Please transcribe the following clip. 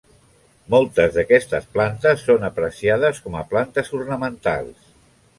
Moltes d'aquestes plantes són apreciades com a plantes ornamentals.